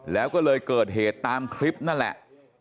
แล้วก็เลยเกิดเหตุตามคลิปนั่นแหละ